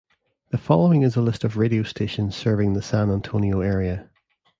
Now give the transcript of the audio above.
The following is a list of radio stations serving the San Antonio area.